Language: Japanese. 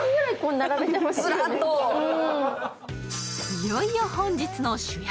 いよいよ本日の主役